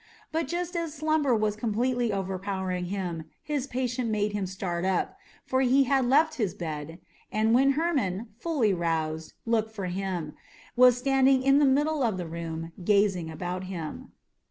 But just as slumber was completely overpowering him his patient made him start up, for he had left his bed, and when Hermon, fully roused, looked for him, was standing in the middle of the room, gazing about him.